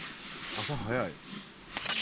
朝早い。